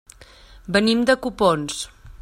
Venim de Copons.